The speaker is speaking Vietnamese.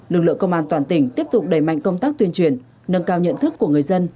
lực lượng công an toàn tỉnh tiếp tục đẩy mạnh công tác tuyên truyền nâng cao nhận thức của người dân